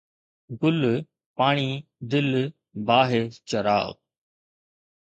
گل، پاڻي، دل، باھ، چراغ